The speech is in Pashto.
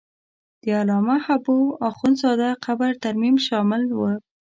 د علامه حبو اخند زاده قبر ترمیم شامل و.